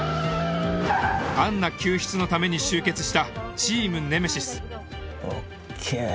アンナ救出のために集結したチーム・ネメシスＯＫ。